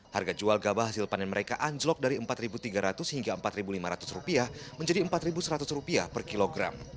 harga jual gabah hasil panen mereka anjlok dari rp empat tiga ratus hingga rp empat lima ratus menjadi rp empat seratus per kilogram